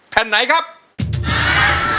เพลงนี้ที่๕หมื่นบาทแล้วน้องแคน